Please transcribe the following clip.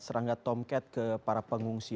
serangga tomket ke para pengungsi